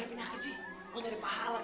pak naik pak